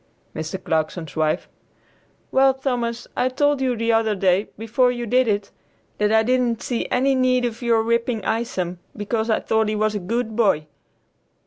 Mr. Clarkson's wife. "Well, Thomas, I told you the other day, before you did it, that I didn't see any need of your whipping Isom, because I thought he was a good boy."